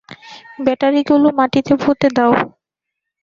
ব্যাটারিগুলো মাটিতে পুঁতে দাও।